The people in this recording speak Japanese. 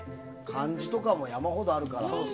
漢字とかも山ほどあるから。